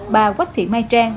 bà quách thị mai trang